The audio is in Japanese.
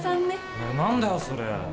えっ何だよそれ。